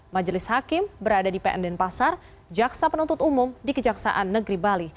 majelis hakim berada di pn denpasar jaksa penuntut umum di kejaksaan negeri bali